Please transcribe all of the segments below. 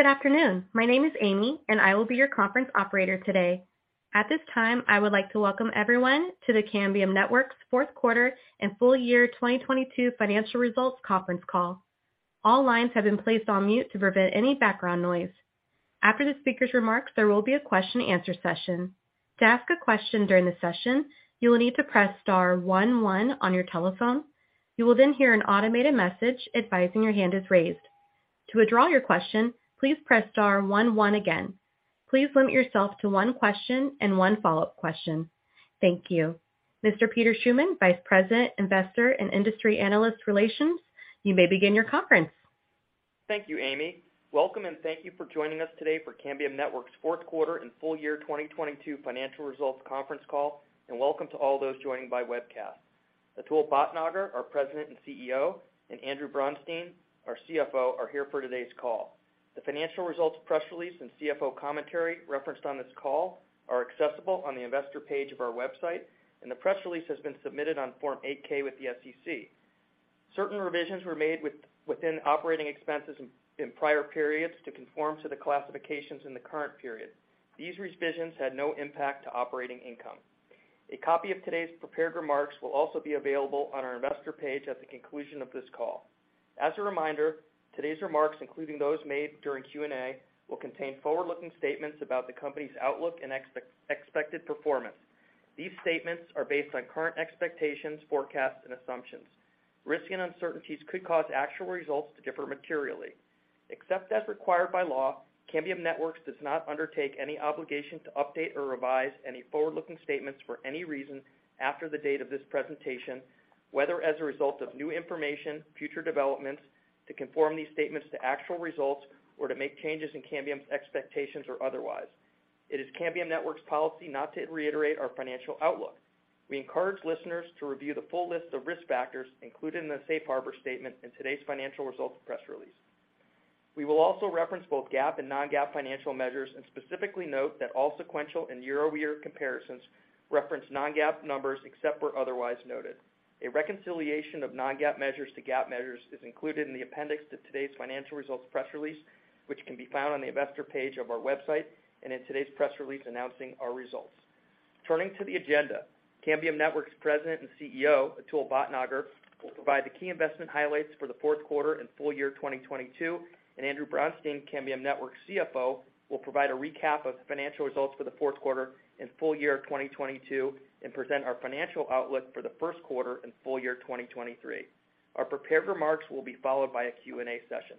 Good afternoon. My name is Amy, and I will be your conference operator today. At this time, I would like to welcome everyone to the Cambium Networks 4th quarter and full year 2022 financial results conference call. All lines have been placed on mute to prevent any background noise. After the speaker's remarks, there will be a question answer session. To ask a question during the session, you will need to press star 1 1 on your telephone. You will then hear an automated message advising your hand is raised. To withdraw your question, please press star 1 1 again. Please limit yourself to 1 question and 1 follow-up question. Thank you. Mr. Peter Schliefer, Vice President, Investor and Industry Analyst Relations, you may begin your conference. Thank you, Amy. Welcome and thank you for joining us today for Cambium Networks fourth quarter and full year 2022 financial results conference call, welcome to all those joining by webcast. Atul Bhatnagar, our President and CEO, and Andrew Bronstein, our CFO, are here for today's call. The financial results press release and CFO commentary referenced on this call are accessible on the investor page of our website, the press release has been submitted on Form 8-K with the SEC. Certain revisions were made within operating expenses in prior periods to conform to the classifications in the current period. These revisions had no impact to operating income. A copy of today's prepared remarks will also be available on our investor page at the conclusion of this call. As a reminder, today's remarks, including those made during Q&A, will contain forward-looking statements about the company's outlook and expected performance. These statements are based on current expectations, forecasts, and assumptions. Risks and uncertainties could cause actual results to differ materially. Except as required by law, Cambium Networks does not undertake any obligation to update or revise any forward-looking statements for any reason after the date of this presentation, whether as a result of new information, future developments, to conform these statements to actual results, or to make changes in Cambium's expectations or otherwise. It is Cambium Networks policy not to reiterate our financial outlook. We encourage listeners to review the full list of risk factors included in the safe harbor statement in today's financial results press release. We will also reference both GAAP and non-GAAP financial measures, and specifically note that all sequential and year-over-year comparisons reference non-GAAP numbers, except where otherwise noted. A reconciliation of non-GAAP measures to GAAP measures is included in the appendix to today's financial results press release, which can be found on the investor page of our website and in today's press release announcing our results. Turning to the agenda, Cambium Networks President and CEO, Atul Bhatnagar, will provide the key investment highlights for the fourth quarter and full year 2022, Andrew Bronstein, Cambium Networks CFO, will provide a recap of the financial results for the fourth quarter and full year 2022 and present our financial outlook for the first quarter and full year 2023. Our prepared remarks will be followed by a Q&A session.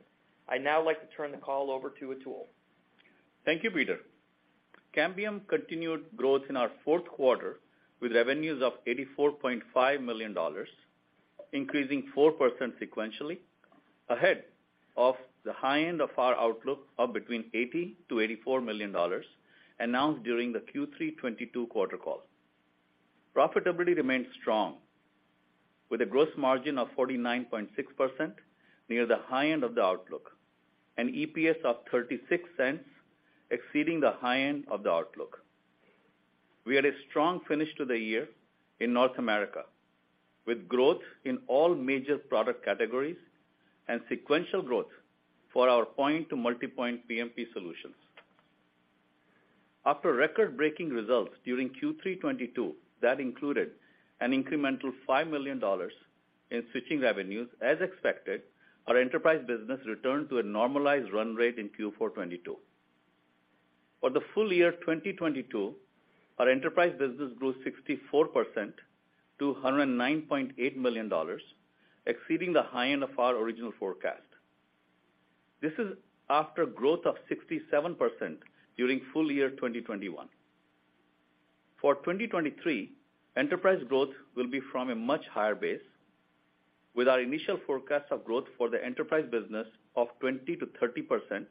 I'd now like to turn the call over to Atul. Thank you, Peter. Cambium continued growth in our fourth quarter with revenues of $84.5 million, increasing 4% sequentially, ahead of the high end of our outlook of between $80 million to $84 million announced during the Q3 2022 quarter call. Profitability remained strong with a gross margin of 49.6% near the high end of the outlook, and EPS of $0.36 exceeding the high end of the outlook. We had a strong finish to the year in North America, with growth in all major product categories and sequential growth for our point-to-multipoint PMP solutions. After record-breaking results during Q3 2022 that included an incremental $5 million in switching revenues as expected, our enterprise business returned to a normalized run rate in Q4 2022. For the full year 2022, our enterprise business grew 64% to $109.8 million, exceeding the high end of our original forecast. This is after growth of 67% during full year 2021. For 2023, enterprise growth will be from a much higher base with our initial forecast of growth for the enterprise business of 20%-30%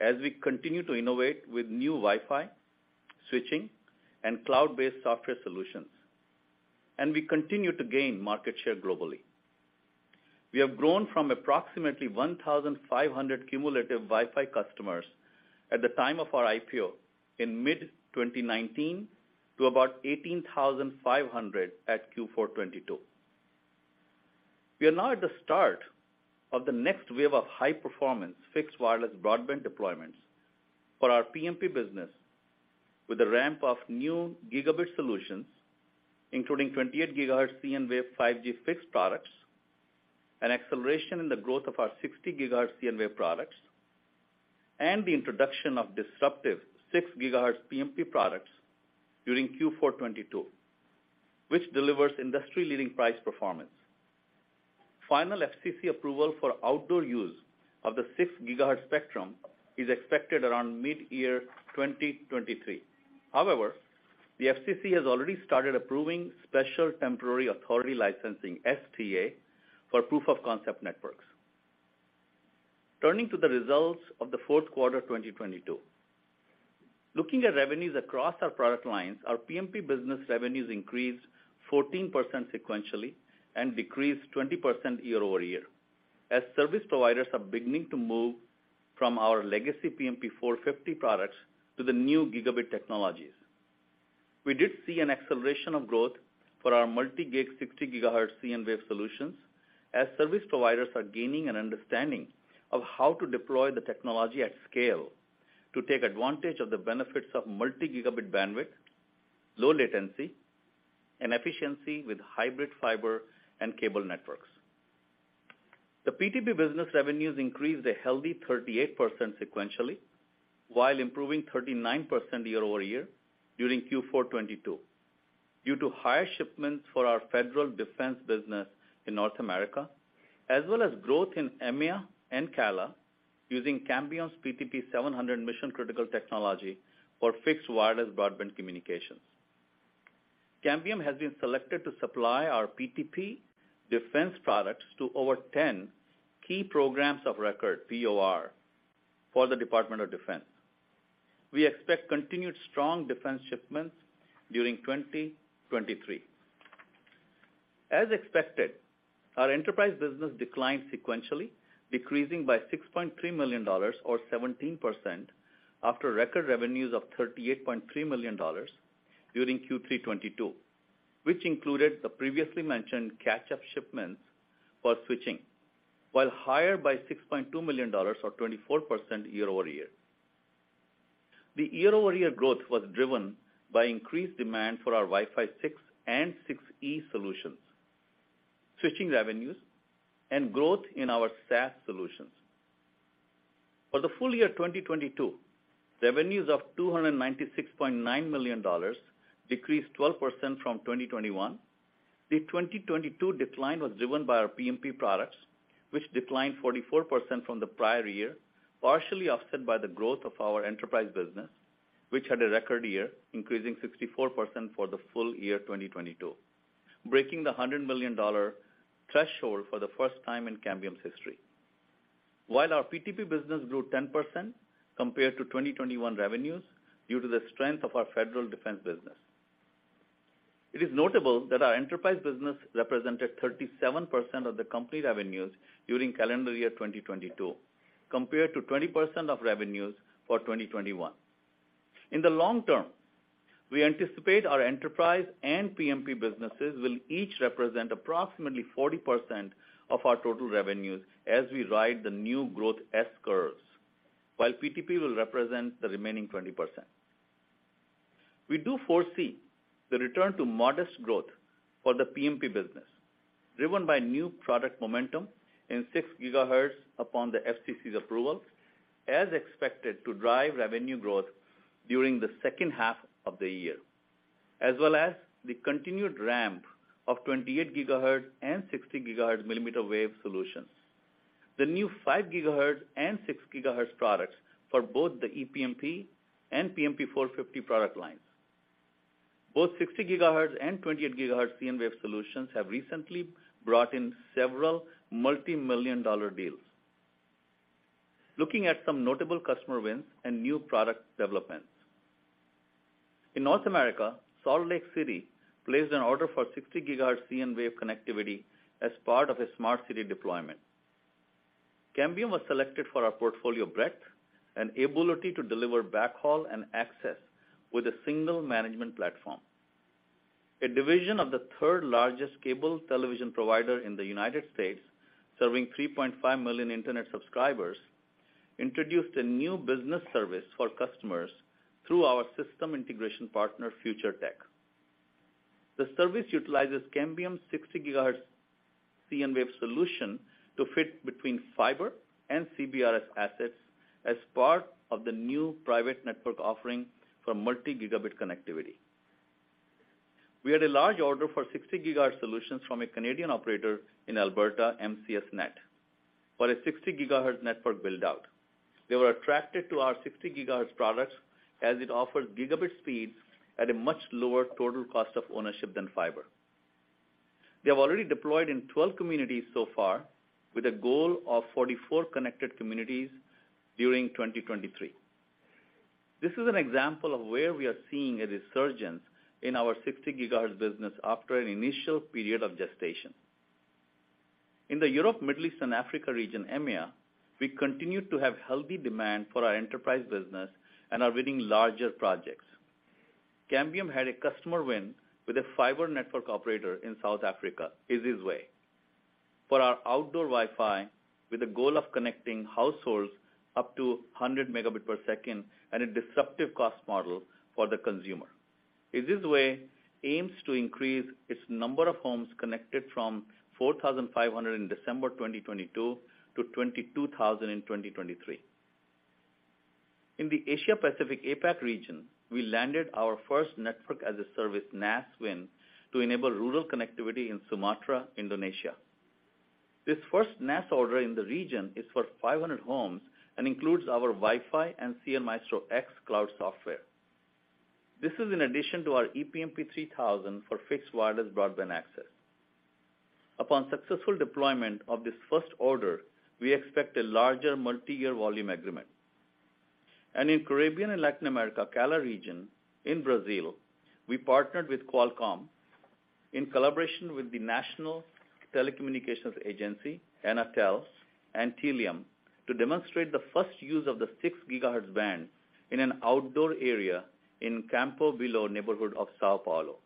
as we continue to innovate with new Wi-Fi, switching, and cloud-based software solutions, and we continue to gain market share globally. We have grown from approximately 1,500 cumulative Wi-Fi customers at the time of our IPO in mid-2019 to about 18,500 at Q4 2022. We are now at the start of the next wave of high-performance fixed wireless broadband deployments for our PMP business with the ramp of new gigabit solutions, including 28 gigahertz cnWave 5G Fixed products, an acceleration in the growth of our 60 gigahertz cnWave products, and the introduction of disruptive 6 gigahertz PMP products during Q4 2022, which delivers industry-leading price performance. Final FCC approval for outdoor use of the 6 gigahertz spectrum is expected around mid-year 2023. The FCC has already started approving Special Temporary Authority licensing, STA, for proof of concept networks. Turning to the results of the fourth quarter 2022. Looking at revenues across our product lines, our PMP business revenues increased 14% sequentially and decreased 20% year-over-year as service providers are beginning to move from our legacy PMP 450 products to the new gigabit technologies. We did see an acceleration of growth for our multi-gig 60 gigahertz cnWave solutions as service providers are gaining an understanding of how to deploy the technology at scale to take advantage of the benefits of multi-gigabit bandwidth, low latency, and efficiency with hybrid fiber and cable networks. The PTP business revenues increased a healthy 38% sequentially, while improving 39% year-over-year during Q4 2022 due to higher shipments for our federal defense business in North America, as well as growth in EMEA and CALA using Cambium's PTP 700 mission-critical technology for fixed wireless broadband communications. Cambium has been selected to supply our PTP defense products to over 10 key programs of record, POR, for the Department of Defense. We expect continued strong defense shipments during 2023. As expected, our enterprise business declined sequentially, decreasing by $6.3 million or 17% after record revenues of $38.3 million during Q3 '22, which included the previously mentioned catch-up shipments for switching, while higher by $6.2 million or 24% year-over-year. The year-over-year growth was driven by increased demand for our Wi-Fi 6 and 6E solutions, switching revenues, and growth in our SaaS solutions. For the full year 2022, revenues of $296.9 million decreased 12% from 2021. The 2022 decline was driven by our PMP products, which declined 44% from the prior year, partially offset by the growth of our enterprise business, which had a record year, increasing 64% for the full year 2022, breaking the $100 million threshold for the first time in Cambium's history. While our PTP business grew 10% compared to 2021 revenues due to the strength of our federal defense business. It is notable that our enterprise business represented 37% of the company revenues during calendar year 2022, compared to 20% of revenues for 2021. In the long term, we anticipate our enterprise and PMP businesses will each represent approximately 40% of our total revenues as we ride the new growth S-curves, while PTP will represent the remaining 20%. We do foresee the return to modest growth for the PMP business, driven by new product momentum in 6 gigahertz upon the FCC's approval, as expected to drive revenue growth during the second half of the year. The continued ramp of 28 gigahertz and 60 gigahertz millimeter wave solutions. The new 5 gigahertz and 6 gigahertz products for both the ePMP and PMP 450 product lines. Both 60 gigahertz and 28 gigahertz cnWave solutions have recently brought in several multi-million dollar deals. Looking at some notable customer wins and new product developments. In North America, Salt Lake City placed an order for 60 gigahertz cnWave connectivity as part of a smart city deployment. Cambium was selected for our portfolio breadth and ability to deliver backhaul and access with a single management platform. A division of the third-largest cable television provider in the United States, serving 3.5 million internet subscribers, introduced a new business service for customers through our system integration partner, Future Tech. The service utilizes Cambium's 60 gigahertz cnWave solution to fit between fiber and CBRS assets as part of the new private network offering for multi-gigabit connectivity. We had a large order for 60 gigahertz solutions from a Canadian operator in Alberta, MCSnet, for a 60 gigahertz network build-out. They were attracted to our 60 gigahertz products as it offers gigabit speeds at a much lower total cost of ownership than fiber. They have already deployed in 12 communities so far, with a goal of 44 connected communities during 2023. This is an example of where we are seeing a resurgence in our 60 gigahertz business after an initial period of gestation. In the Europe, Middle East, and Africa region, EMEA, we continue to have healthy demand for our enterprise business and are winning larger projects. Cambium had a customer win with a fiber network operator in South Africa, EasyWay, for our outdoor Wi-Fi with a goal of connecting households up to 100 Mbps at a disruptive cost model for the consumer. EasyWay aims to increase its number of homes connected from 4,500 in December 2022 to 22,000 in 2023. In the Asia Pacific, APAC region, we landed our first Network as a Service, NaaS, win to enable rural connectivity in Sumatra, Indonesia. This first NaaS order in the region is for 500 homes and includes our Wi-Fi and cnMaestro X cloud software. This is in addition to our ePMP 3000 for fixed wireless broadband access. Upon successful deployment of this first order, we expect a larger multi-year volume agreement. In Caribbean and Latin America, CALA region in Brazil, we partnered with Qualcomm in collaboration with the National Telecommunications Agency, Anatel and Telium, to demonstrate the first use of the 6 gigahertz band in an outdoor area in Campo Belo neighborhood of São Paulo.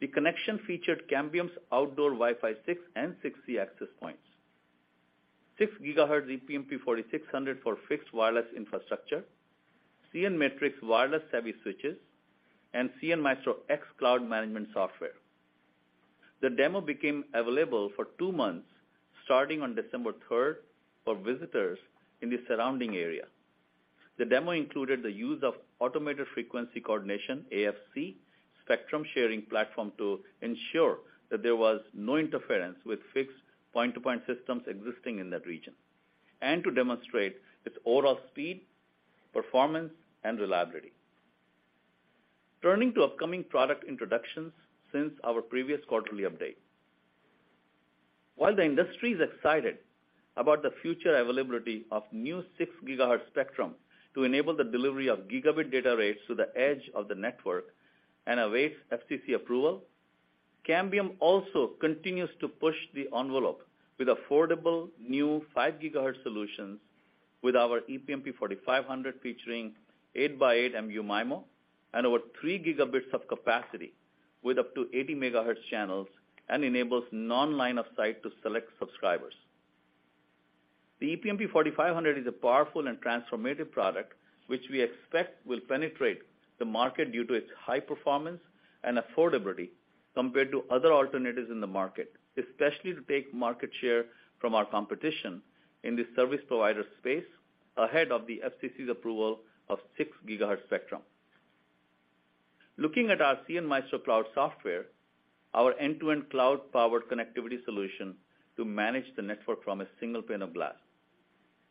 The connection featured Cambium's outdoor Wi-Fi 6 and 60 access points. 6 gigahertz ePMP 4600 for fixed wireless infrastructure, cnMatrix wireless savvy switches, and cnMaestro X cloud management software. The demo became available for 2 months, starting on December third for visitors in the surrounding area. The demo included the use of Automated Frequency Coordination, AFC, spectrum sharing platform to ensure that there was no interference with fixed point-to-point systems existing in that region, and to demonstrate its overall speed, performance and reliability. Turning to upcoming product introductions since our previous quarterly update. While the industry is excited about the future availability of new 6 gigahertz spectrum to enable the delivery of gigabit data rates to the edge of the network and awaits FCC approval, Cambium also continues to push the envelope with affordable new 5 gigahertz solutions with our ePMP 4500, featuring 8 by 8 MU-MIMO and over 3 gigabits of capacity with up to 80 megahertz channels and enables non-line-of-sight to select subscribers. The ePMP 4500 is a powerful and transformative product, which we expect will penetrate the market due to its high performance and affordability compared to other alternatives in the market. To take market share from our competition in the service provider space ahead of the FCC's approval of 6 gigahertz spectrum. Looking at our cnMaestro cloud software, our end-to-end cloud powered connectivity solution to manage the network from a single pane of glass.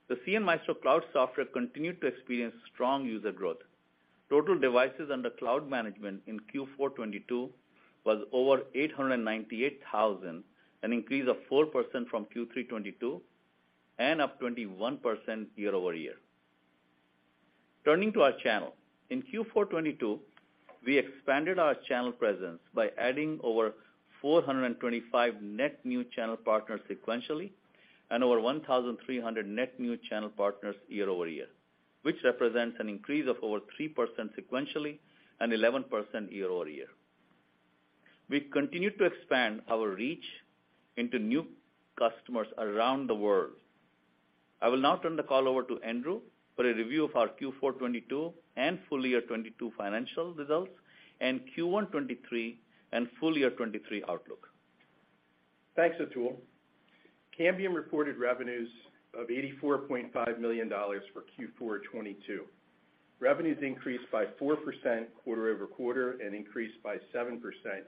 The cnMaestro cloud software continued to experience strong user growth. Total devices under cloud management in Q4 2022 was over 898,000, an increase of 4% from Q3 2022, and up 21% year-over-year. Turning to our channel. In Q4 2022, we expanded our channel presence by adding over 425 net new channel partners sequentially, and over 1,300 net new channel partners year-over-year, which represents an increase of over 3% sequentially and 11% year-over-year. We continue to expand our reach into new customers around the world. I will now turn the call over to Andrew for a review of our Q4 '22 and full year '22 financial results and Q1 '23 and full year '23 outlook. Thanks, Atul. Cambium reported revenues of $84.5 million for Q4 2022. Revenues increased by 4% quarter-over-quarter and increased by 7%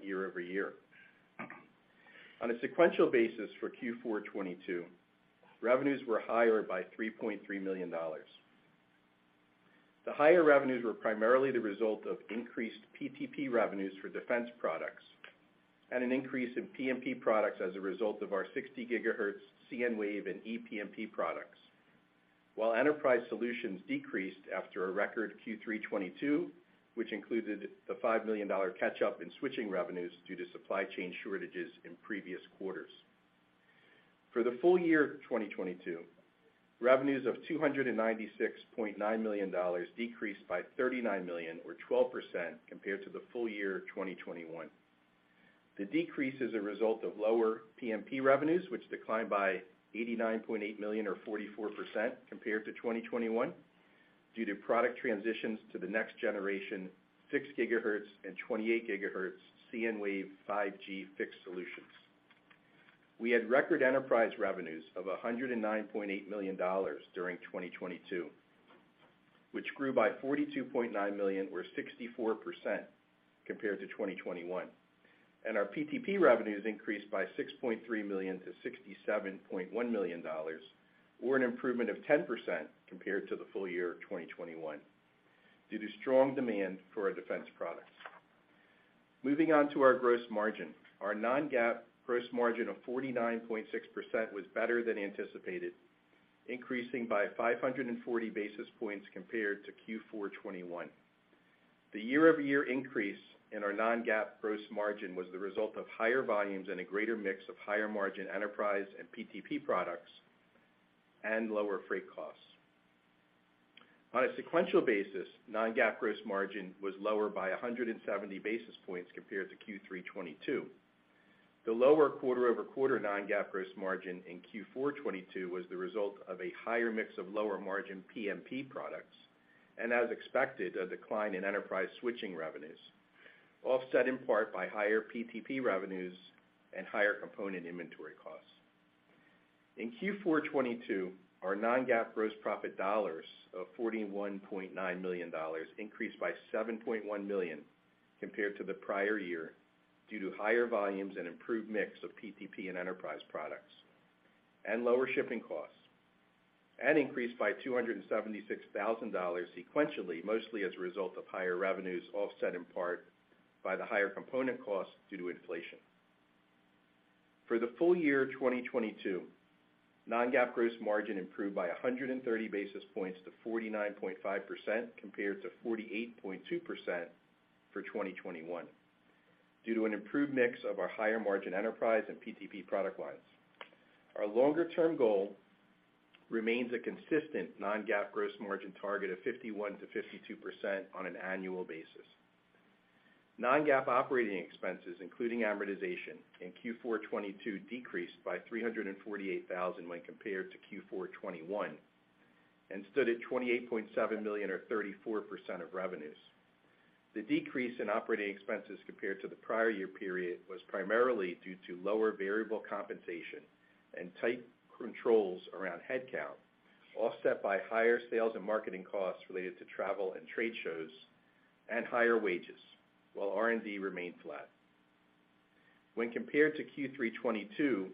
year-over-year. On a sequential basis for Q4 2022, revenues were higher by $3.3 million. The higher revenues were primarily the result of increased PTP revenues for defense products and an increase in PMP products as a result of our 60 GHz cnWave and ePMP products. Enterprise solutions decreased after a record Q3 2022, which included the $5 million catch up in switching revenues due to supply chain shortages in previous quarters. For the full year of 2022, revenues of $296.9 million decreased by $39 million or 12% compared to the full year of 2021. The decrease is a result of lower PMP revenues, which declined by $89.8 million or 44% compared to 2021, due to product transitions to the next generation 6 gigahertz and 28 gigahertz cnWave 5G Fixed solutions. We had record enterprise revenues of $109.8 million during 2022, which grew by $42.9 million, or 64% compared to 2021. Our PTP revenues increased by $6.3 million to $67.1 million, or an improvement of 10% compared to the full year of 2021, due to strong demand for our defense products. Moving on to our gross margin. Our non-GAAP gross margin of 49.6% was better than anticipated, increasing by 540 basis points compared to Q4 2021. The year-over-year increase in our non-GAAP gross margin was the result of higher volumes and a greater mix of higher margin enterprise and PTP products and lower freight costs. On a sequential basis, non-GAAP gross margin was lower by 170 basis points compared to Q3 '22. The lower quarter-over-quarter non-GAAP gross margin in Q4 '22 was the result of a higher mix of lower margin PMP products and as expected, a decline in enterprise switching revenues, offset in part by higher PTP revenues and higher component inventory costs. In Q4 2022, our non-GAAP gross profit of $41.9 million increased by $7.1 million compared to the prior year, due to higher volumes and improved mix of PTP and enterprise products and lower shipping costs, and increased by $276,000 sequentially, mostly as a result of higher revenues, offset in part by the higher component costs. For the full year 2022, non-GAAP gross margin improved by 130 basis points to 49.5% compared to 48.2% for 2021 due to an improved mix of our higher margin enterprise and PTP product lines. Our longer term goal remains a consistent non-GAAP gross margin target of 51%-52% on an annual basis. non-GAAP operating expenses, including amortization in Q4 2022, decreased by $348,000 when compared to Q4 2021 and stood at $28.7 million or 34% of revenues. The decrease in operating expenses compared to the prior year period was primarily due to lower variable compensation and tight controls around headcount, offset by higher sales and marketing costs related to travel and trade shows and higher wages, while R&D remained flat. When compared to Q3 2022,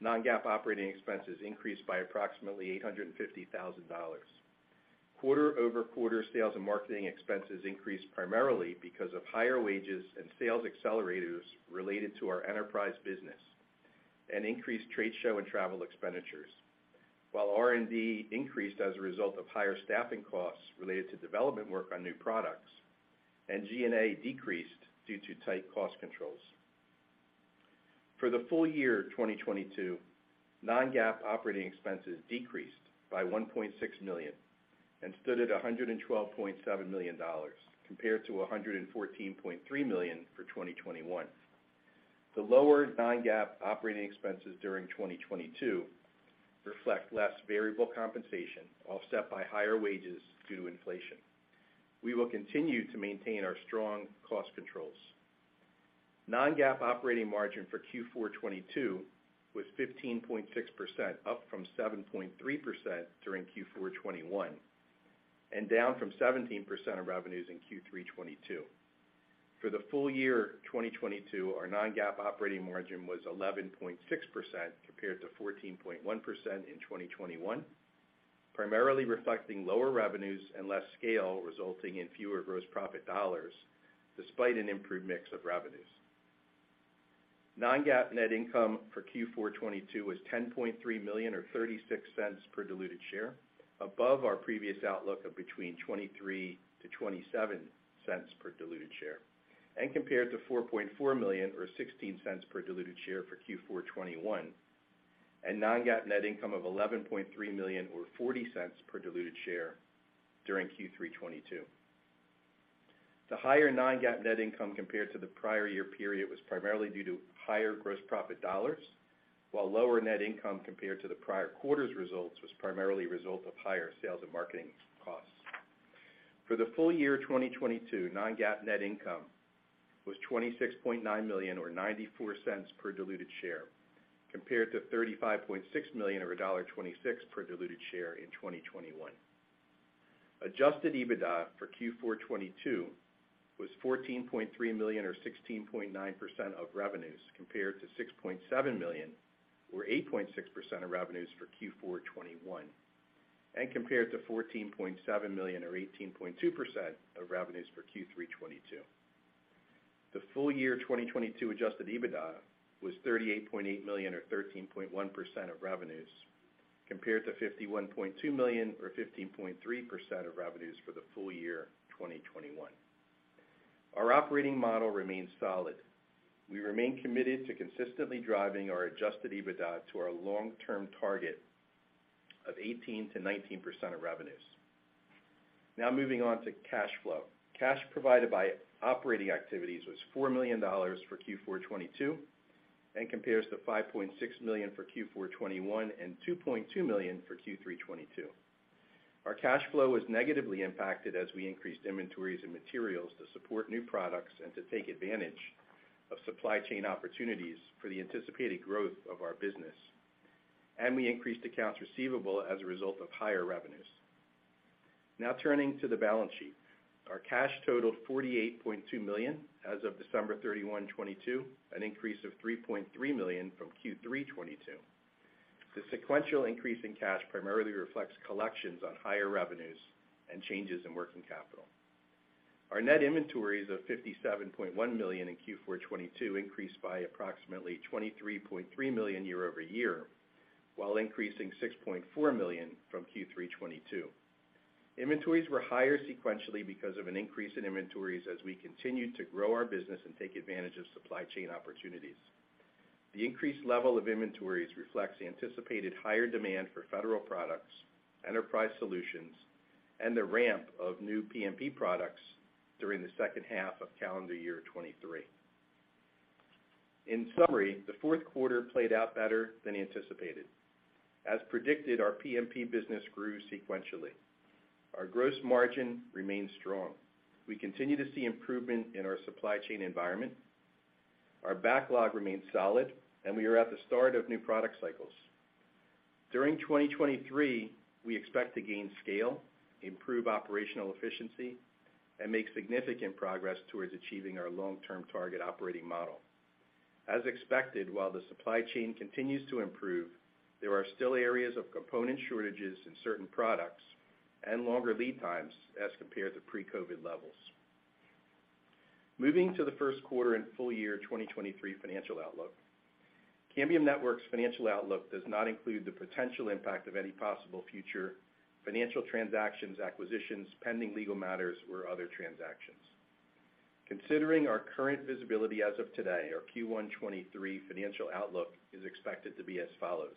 non-GAAP operating expenses increased by approximately $850,000. Quarter-over-quarter sales and marketing expenses increased primarily because of higher wages and sales accelerators related to our enterprise business and increased trade show and travel expenditures. While R&D increased as a result of higher staffing costs related to development work on new products, and G&A decreased due to tight cost controls. For the full year 2022, non-GAAP operating expenses decreased by $1.6 million and stood at $112.7 million, compared to $114.3 million for 2021. The lower non-GAAP operating expenses during 2022 reflect less variable compensation offset by higher wages due to inflation. We will continue to maintain our strong cost controls. Non-GAAP operating margin for Q4 2022 was 15.6%, up from 7.3% during Q4 2021, and down from 17% of revenues in Q3 2022. For the full year 2022, our non-GAAP operating margin was 11.6% compared to 14.1% in 2021, primarily reflecting lower revenues and less scale, resulting in fewer gross profit dollars despite an improved mix of revenues. Non-GAAP net income for Q4 2022 was $10.3 million or $0.36 per diluted share, above our previous outlook of between $0.23 to $0.27 per diluted share, and compared to $4.4 million or $0.16 per diluted share for Q4 2021, and non-GAAP net income of $11.3 million or $0.40 per diluted share during Q3 2022. The higher non-GAAP net income compared to the prior year period was primarily due to higher gross profit dollars, while lower net income compared to the prior quarter's results was primarily a result of higher sales and marketing costs. For the full year 2022, non-GAAP net income was $26.9 million or $0.94 per diluted share, compared to $35.6 million or $1.26 per diluted share in 2021. Adjusted EBITDA for Q4 2022 was $14.3 million or 16.9% of revenues, compared to $6.7 million or 8.6% of revenues for Q4 2021, and compared to $14.7 million or 18.2% of revenues for Q3 2022. The full year 2022 adjusted EBITDA was $38.8 million or 13.1% of revenues, compared to $51.2 million or 15.3% of revenues for the full year 2021. Our operating model remains solid. We remain committed to consistently driving our adjusted EBITDA to our long term target of 18%-19% of revenues. Moving on to cash flow. Cash provided by operating activities was $4 million for Q4 2022 and compares to $5.6 million for Q4 2021 and $2.2 million for Q3 2022. Our cash flow was negatively impacted as we increased inventories and materials to support new products and to take advantage of supply chain opportunities for the anticipated growth of our business. We increased accounts receivable as a result of higher revenues. Now turning to the balance sheet. Our cash totaled $48.2 million as of December 31, 2022, an increase of $3.3 million from Q3 2022. The sequential increase in cash primarily reflects collections on higher revenues and changes in working capital. Our net inventories of $57.1 million in Q4 2022 increased by approximately $23.3 million year-over-year, while increasing $6.4 million from Q3 2022. Inventories were higher sequentially because of an increase in inventories as we continued to grow our business and take advantage of supply chain opportunities. The increased level of inventories reflects the anticipated higher demand for federal products, enterprise solutions, and the ramp of new PMP products during the second half of calendar year 23. In summary, the fourth quarter played out better than anticipated. As predicted, our PMP business grew sequentially. Our gross margin remains strong. We continue to see improvement in our supply chain environment. Our backlog remains solid, and we are at the start of new product cycles. During 2023, we expect to gain scale, improve operational efficiency, and make significant progress towards achieving our long-term target operating model. As expected, while the supply chain continues to improve, there are still areas of component shortages in certain products and longer lead times as compared to pre-COVID levels. Moving to the first quarter and full-year 2023 financial outlook. Cambium Networks' financial outlook does not include the potential impact of any possible future financial transactions, acquisitions, pending legal matters, or other transactions. Considering our current visibility as of today, our Q1 2023 financial outlook is expected to be as follows.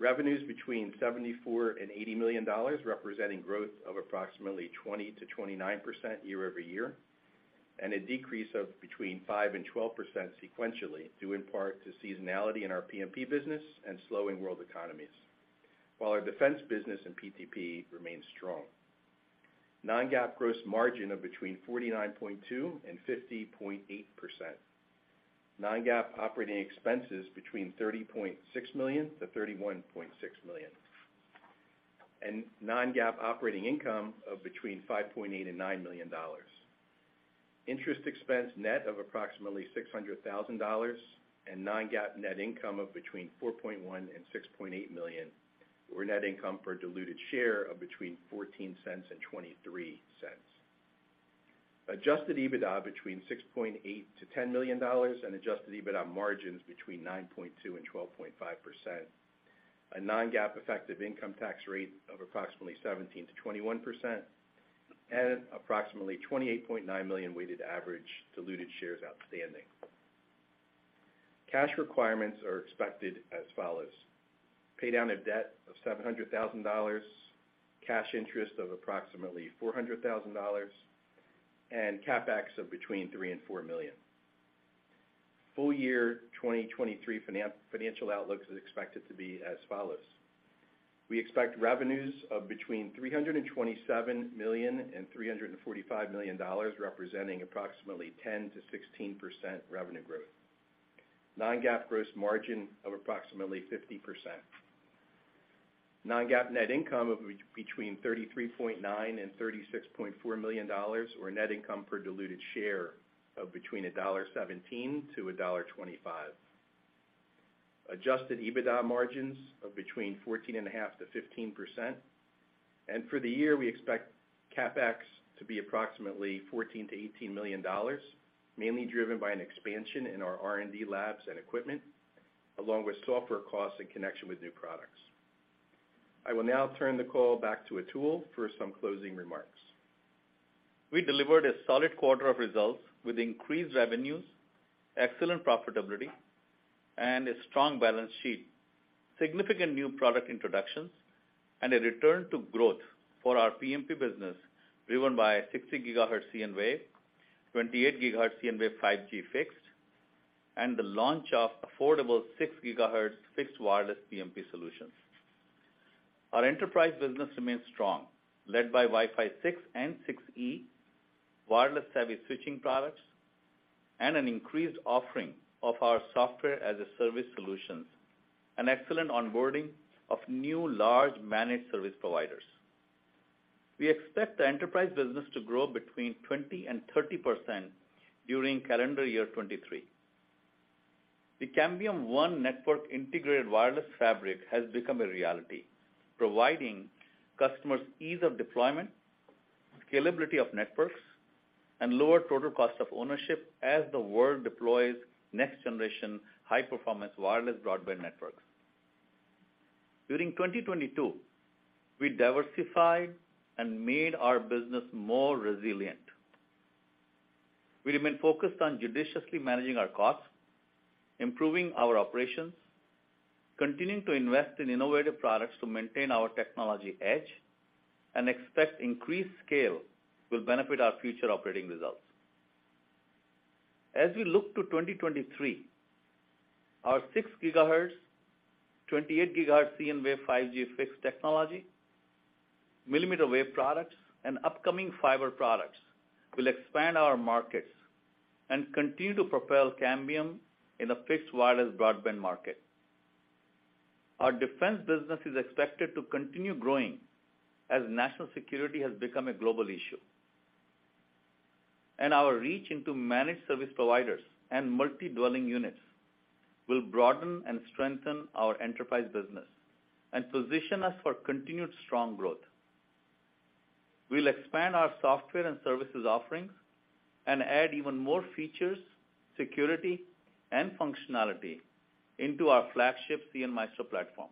Revenues between $74 million and $80 million, representing growth of approximately 20%-29% year-over-year, and a decrease of between 5% and 12% sequentially, due in part to seasonality in our PMP business and slowing world economies. While our defense business and PTP remains strong. Non-GAAP gross margin of between 49.2% and 50.8%. Non-GAAP operating expenses between $30.6 million to $31.6 million. Non-GAAP operating income of between $5.8 million and $9 million. Interest expense net of approximately $600,000 and non-GAAP net income of between $4.1 million and $6.8 million, or net income per diluted share of between $0.14 and $0.23. Adjusted EBITDA between $6.8 million-$10 million and adjusted EBITDA margins between 9.2% and 12.5%. A non-GAAP effective income tax rate of approximately 17%-21%, approximately 28.9 million weighted average diluted shares outstanding. Cash requirements are expected as follows. Pay down a debt of $700,000, cash interest of approximately $400,000, and CapEx of between $3 million and $4 million. Full year 2023 financial outlook is expected to be as follows. We expect revenues of between $327 million and $345 million, representing approximately 10%-16% revenue growth. Non-GAAP gross margin of approximately 50%. Non-GAAP net income of between $33.9 million and $36.4 million, or net income per diluted share of between $1.17-$1.25. Adjusted EBITDA margins of between 14.5%-15%. For the year, we expect CapEx to be approximately $14 million-$18 million, mainly driven by an expansion in our R&D labs and equipment, along with software costs in connection with new products. I will now turn the call back to Atul for some closing remarks. We delivered a solid quarter of results with increased revenues, excellent profitability, and a strong balance sheet, significant new product introductions, and a return to growth for our PMP business, driven by 60 gigahertz cnWave, 28 gigahertz cnWave 5G Fixed, and the launch of affordable 6 gigahertz fixed wireless PMP solutions. Our enterprise business remains strong, led by Wi-Fi 6 and 6E, wireless heavy switching products, and an increased offering of our software as a service solutions, an excellent onboarding of new large managed service providers. We expect the enterprise business to grow between 20% and 30% during calendar year 2023. The Cambium ONE Network integrated wireless fabric has become a reality, providing customers ease of deployment, scalability of networks, and lower total cost of ownership as the world deploys next generation high-performance wireless broadband networks. During 2022, we diversified and made our business more resilient. We remain focused on judiciously managing our costs, improving our operations, continuing to invest in innovative products to maintain our technology edge, and expect increased scale will benefit our future operating results. As we look to 2023, our 6 gigahertz, 28 gigahertz cnWave 5G Fixed technology, millimeter wave products, and upcoming fiber products will expand our markets and continue to propel Cambium in the fixed wireless broadband market. Our defense business is expected to continue growing as national security has become a global issue. Our reach into managed service providers and multi-dwelling units will broaden and strengthen our enterprise business and position us for continued strong growth. We'll expand our software and services offerings and add even more features, security, and functionality into our flagship cnMaestro platform.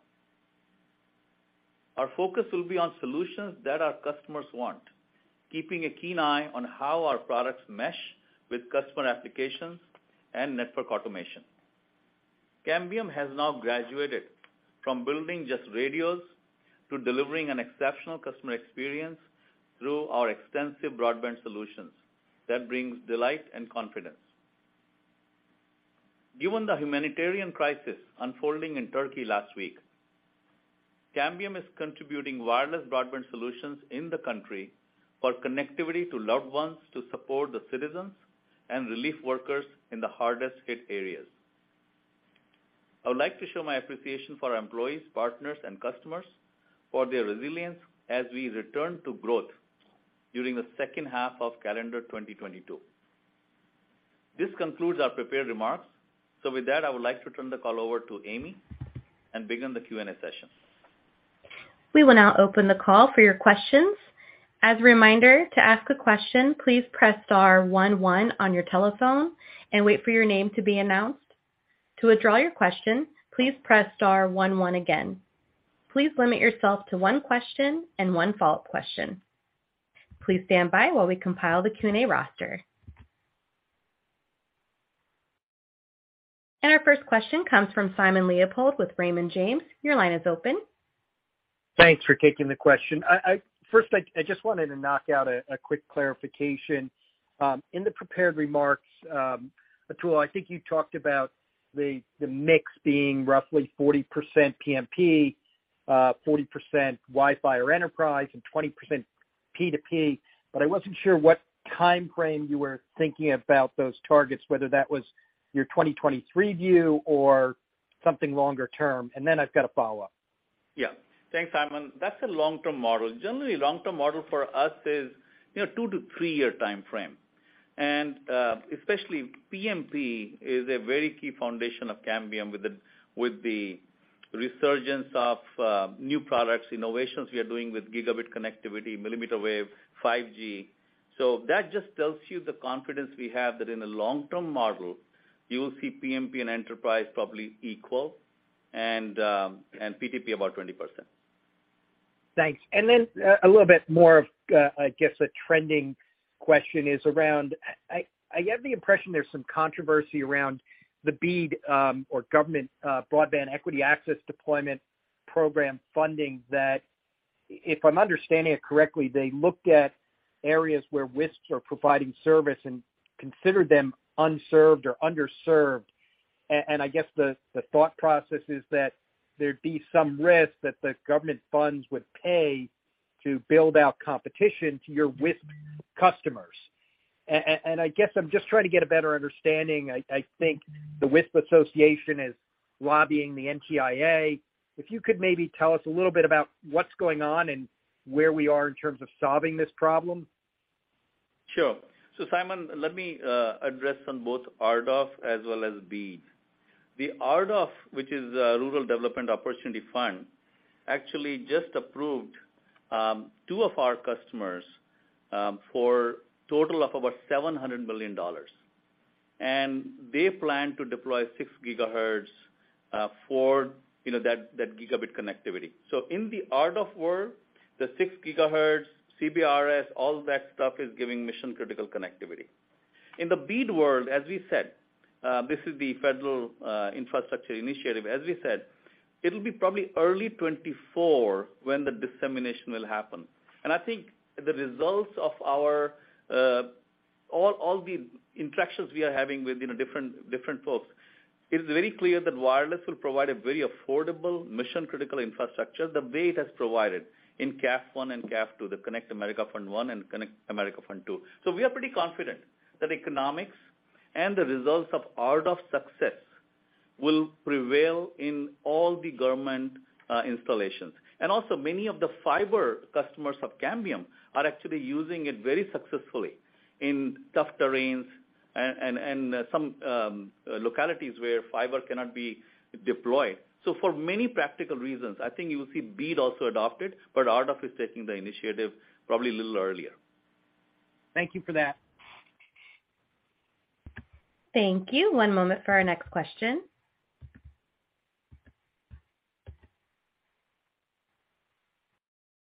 Our focus will be on solutions that our customers want, keeping a keen eye on how our products mesh with customer applications and network automation. Cambium has now graduated from building just radios to delivering an exceptional customer experience through our extensive broadband solutions that brings delight and confidence. Given the humanitarian crisis unfolding in Turkey last week, Cambium is contributing wireless broadband solutions in the country for connectivity to loved ones to support the citizens and relief workers in the hardest hit areas. I would like to show my appreciation for our employees, partners, and customers for their resilience as we return to growth during the second half of calendar 2022. This concludes our prepared remarks. With that, I would like to turn the call over to Amy and begin the Q&A session. We will now open the call for your questions. As a reminder, to ask a question, please press star one one on your telephone and wait for your name to be announced. To withdraw your question, please press star one one again. Please limit yourself to one question and one follow-up question. Please stand by while we compile the Q&A roster. Our first question comes from Simon Leopold with Raymond James. Your line is open. Thanks for taking the question. First, I just wanted to knock out a quick clarification. In the prepared remarks, Atul, I think you talked about the mix being roughly 40% PMP, 40% Wi-Fi or enterprise, and 20% P2P, but I wasn't sure what timeframe you were thinking about those targets, whether that was your 2023 view or something longer term. I've got a follow-up. Yeah. Thanks, Simon. That's a long-term model. Generally, long-term model for us is, you know, two to three-year timeframe. Especially PMP is a very key foundation of Cambium with the resurgence of new products, innovations we are doing with gigabit connectivity, millimeter wave, 5G. That just tells you the confidence we have that in a long-term model, you will see PMP and enterprise probably equal and P2P about 20%. Thanks. A little bit more of I guess a trending question is around. I get the impression there's some controversy around the BEAD, or government Broadband Equity, Access, and Deployment program funding that if I'm understanding it correctly, they looked at areas where WISPs are providing service and considered them unserved or underserved. I guess the thought process is that there'd be some risk that the government funds would pay to build out competition to your WISP customers. I guess I'm just trying to get a better understanding. I think the WISP association is lobbying the NTIA. If you could maybe tell us a little bit about what's going on and where we are in terms of solving this problem. Sure. Simon, let me address on both RDOF as well as BEAD. The RDOF, which is Rural Digital Opportunity Fund, actually just approved two of our customers for total of about $700 million. They plan to deploy six gigahertz for, you know, that gigabit connectivity. In the RDOF world, the six gigahertz CBRS, all that stuff is giving mission-critical connectivity. In the BEAD world, as we said, this is the federal infrastructure initiative. As we said, it'll be probably early 2024 when the dissemination will happen. I think the results of our, all the interactions we are having with, you know, different folks, it is very clear that wireless will provide a very affordable mission-critical infrastructure, the way it has provided in CAF I and CAF II, the Connect America Fund I and Connect America Fund II. We are pretty confident that economics and the results of RDOF success will prevail in all the government, installations. Also many of the fiber customers of Cambium are actually using it very successfully in tough terrains and some localities where fiber cannot be deployed. For many practical reasons, I think you will see BEAD also adopted, but RDOF is taking the initiative probably a little earlier. Thank you for that. Thank you. One moment for our next question.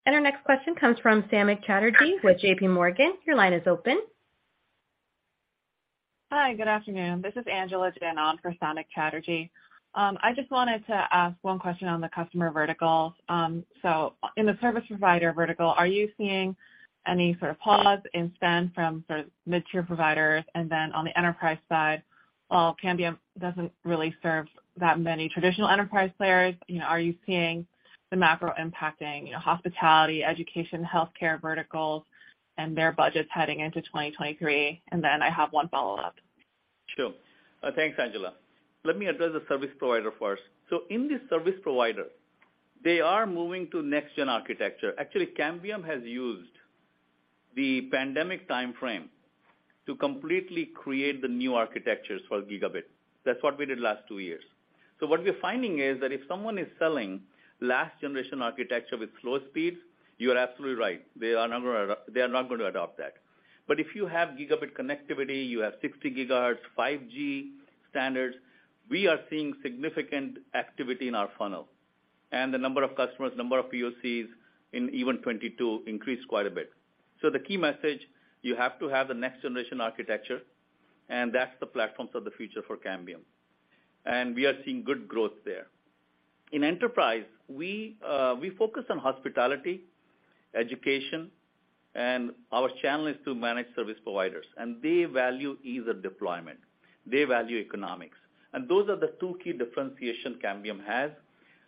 Our next question comes from Samik Chatterjee with JPMorgan. Your line is open. Hi, good afternoon. This is Angela Fan for Samik Chatterjee. I just wanted to ask one question on the customer vertical. In the service provider vertical, are you seeing any sort of pause in spend from sort of mid-tier providers? On the enterprise side, while Cambium doesn't really serve that many traditional enterprise players, you know, are you seeing the macro impacting, you know, hospitality, education, healthcare verticals and their budgets heading into 2023? I have one follow-up. Sure. Thanks, Angela. Let me address the service provider first. In the service provider, they are moving to next gen architecture. Actually, Cambium has used the pandemic timeframe to completely create the new architectures for gigabit. That's what we did last 2 years. What we're finding is that if someone is selling last generation architecture with slow speeds, you are absolutely right. They are never gonna they are not gonna adopt that. If you have gigabit connectivity, you have 60 gigahertz, 5G standards, we are seeing significant activity in our funnel. The number of customers, number of POCs in even 2022 increased quite a bit. The key message, you have to have the next generation architecture, and that's the platforms of the future for Cambium. We are seeing good growth there. In enterprise, we focus on hospitality, education, and our channel is to manage service providers. They value ease of deployment. They value economics. Those are the two key differentiation Cambium has.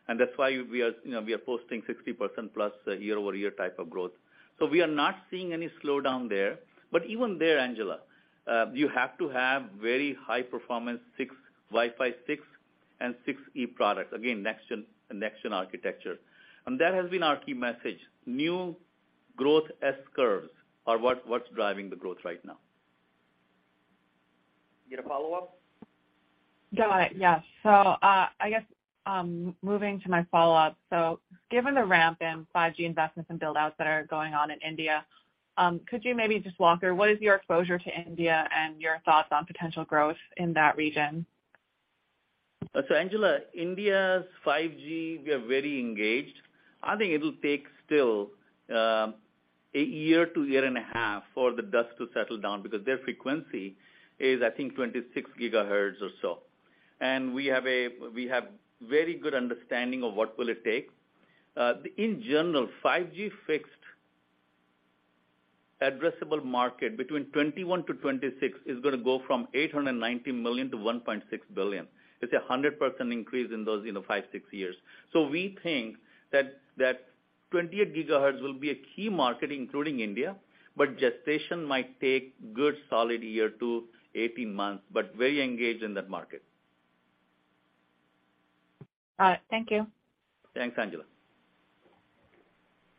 That's why we are, you know, we are posting 60% plus year-over-year type of growth. We are not seeing any slowdown there. Even there, Angela, you have to have very high performance Wi-Fi 6 and 6E products. Again, next-gen, next-gen architecture. That has been our key message, new growth S-curves are what's driving the growth right now. You get a follow-up? Got it, yes. I guess, moving to my follow-up, so given the ramp in 5G investments and build-outs that are going on in India, could you maybe just walk through what is your exposure to India and your thoughts on potential growth in that region? Angela, India's 5G, we are very engaged. I think it'll take still, a year to a year and a half for the dust to settle down because their frequency is, I think, 26 gigahertz or so. We have very good understanding of what will it take. In general, 5G fixed addressable market between 21 to 26 is gonna go from $890 million to $1.6 billion. It's a 100% increase in those, you know, 5, 6 years. We think that 28 gigahertz will be a key market, including India, but gestation might take good solid year to 18 months, but very engaged in that market. All right. Thank you. Thanks, Angela.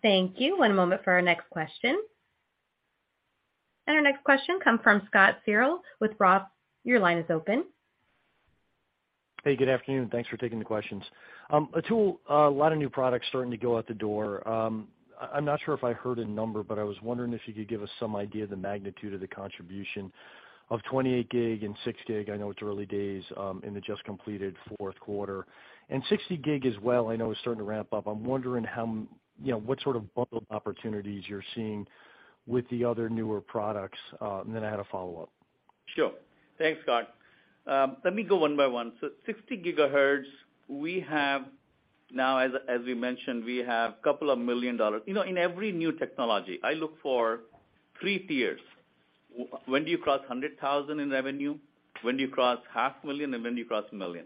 Thank you. One moment for our next question. Our next question comes from Scott Searle with ROTH. Your line is open. Hey, good afternoon. Thanks for taking the questions. Atul, a lot of new products starting to go out the door. I'm not sure if I heard a number, but I was wondering if you could give us some idea of the magnitude of the contribution of 28 gig and 6 gig. I know it's early days, in the just completed fourth quarter. 60 gig as well, I know is starting to ramp up. I'm wondering how, you know, what sort of bundle opportunities you're seeing with the other newer products. Then I had a follow-up. Sure. Thanks, Scott. Let me go one by one. 60 gigahertz, we have now, as we mentioned, we have couple of million dollars. You know, in every new technology, I look for three tiers. When do you cross $100,000 in revenue, when do you cross half million dollars, and when do you cross $1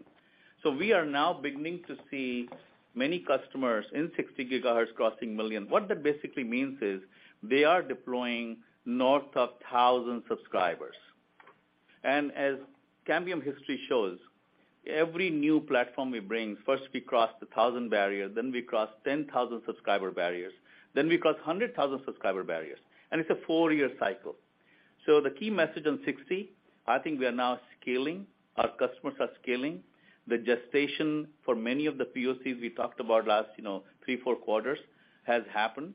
million. We are now beginning to see many customers in 60 gigahertz crossing $1 million. What that basically means is they are deploying north of 1,000 subscribers. As Cambium history shows, every new platform we bring, first we cross the 1,000 barrier, then we cross 10,000 subscriber barriers, then we cross 100,000 subscriber barriers, and it's a four-year cycle. The key message on 60, I think we are now scaling, our customers are scaling. The gestation for many of the POCs we talked about last, you know, 3, 4 quarters has happened.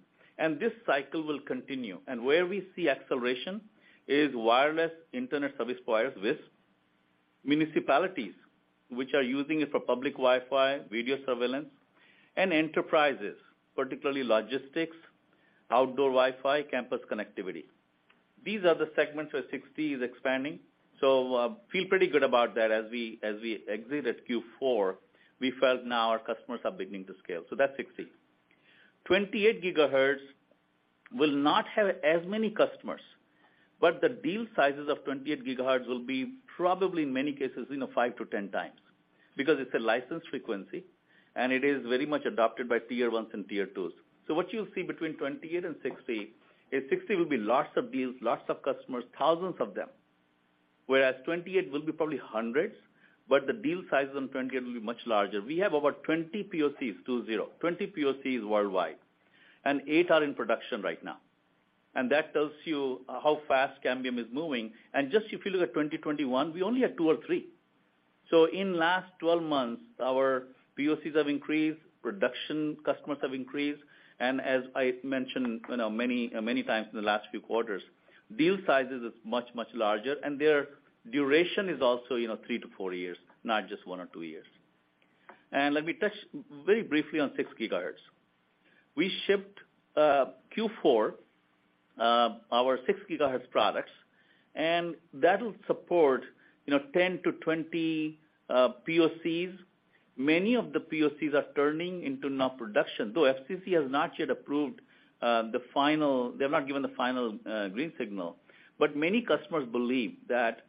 This cycle will continue. Where we see acceleration is wireless internet service providers, WISP, municipalities, which are using it for public Wi-Fi, video surveillance, and enterprises, particularly logistics, outdoor Wi-Fi, campus connectivity. These are the segments where 60 is expanding. Feel pretty good about that. As we exited Q4, we felt now our customers are beginning to scale. That's 60. 28 gigahertz will not have as many customers, the deal sizes of 28 gigahertz will be probably in many cases, you know, 5 to 10 times because it's a licensed frequency. It is very much adopted by tier ones and tier twos. What you'll see between 28 and 60 is 60 will be lots of deals, lots of customers, thousands of them, whereas 28 will be probably hundreds, but the deal size on 28 will be much larger. We have about 20 POCs worldwide, and eight are in production right now. That tells you how fast Cambium is moving. Just if you look at 2020/2021, we only had 2 or 3. In last 12 months, our POCs have increased, production customers have increased. As I mentioned, you know, many, many times in the last few quarters, deal sizes is much, much larger, and their duration is also, you know, 3-4 years, not just 1 or 2 years. Let me touch very briefly on 6 gigahertz. We shipped Q4 our six gigahertz products, and that will support, you know, 10 to 20 POCs. Many of the POCs are turning into now production, though FCC has not yet approved the final. They have not given the final green signal. Many customers believe that